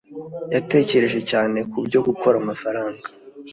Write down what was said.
yatekereje cyane kubyo gukora amafaranga